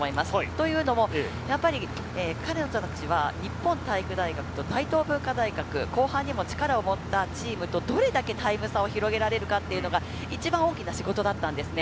というのも、やっぱり彼女たちは日本体育大学と大東文化大学、後半にも力を持ったチームとどれだけタイム差を広げられるかというのが一番大きな仕事だったんですね。